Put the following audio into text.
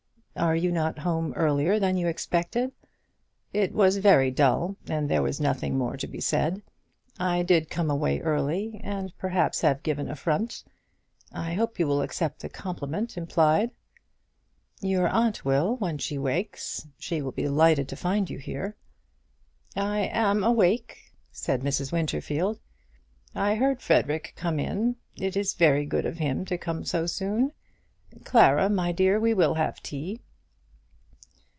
"Are you not home earlier than you expected?" "It was very dull, and there was nothing more to be said. I did come away early, and perhaps have given affront. I hope you will accept the compliment implied." "Your aunt will, when she wakes. She will be delighted to find you here." "I am awake," said Mrs. Winterfield. "I heard Frederic come in. It is very good of him to come so soon. Clara, my dear, we will have tea."